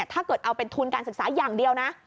ถ้าเกิดเอาเป็นทุนการศึกษาอย่างเดียวนะ